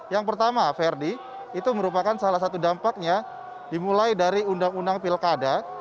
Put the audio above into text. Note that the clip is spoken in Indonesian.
yang pertama ferdi itu merupakan salah satu dampaknya dimulai dari undang undang pilkada